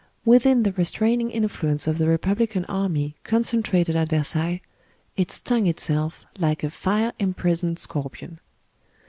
Within the restraining influence of the Repub lican army concentrated at Versailles, it stung itself like a fire imprisoned scorpion.